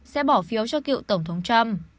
sẽ bỏ phiếu cho cựu tổng thống trump